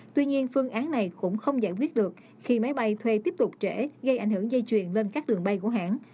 tuy nhiên phương án này cũng không giải quyết được khi máy bay thuê tiếp tục trễ gây ảnh hưởng dây chuyền lên các đường bay của hãng